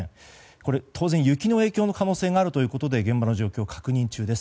これ当然、雪の影響の可能性があるということで現場の状況確認中です。